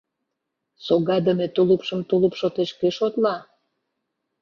Согадыме тулупшым тулуп шотеш кӧ шотла?